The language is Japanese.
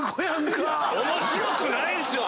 面白くないっすよ！